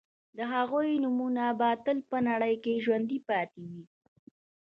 د هغوی نومونه به تل په نړۍ کې ژوندي پاتې وي